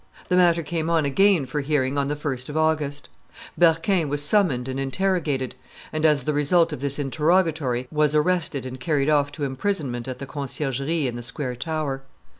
The matter came on again for hearing on the 1st of August. Berquin was summoned and interrogated, and, as the result of this interrogatory, was arrested and carried off to imprisonment at the Conciergerie in the square tower.